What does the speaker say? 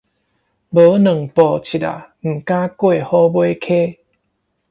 無兩步七仔，毋敢過虎尾溪